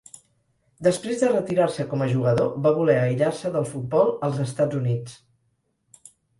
Després de retirar-se com a jugador, va voler aïllar-se del futbol als Estats Units.